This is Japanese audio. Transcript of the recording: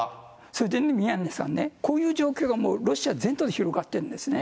それでね、宮根さんね、こういう状況がもうロシア全土で広がってるんですね。